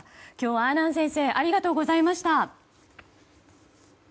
阿南先生ありがとうございました。